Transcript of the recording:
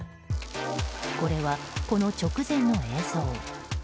これはこの直前の映像。